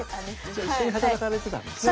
じゃあ一緒に働かれてたんですね。